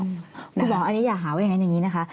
คุณหมออันนี้อย่าหาว่าอย่างนั้นอย่างนี้นะคะ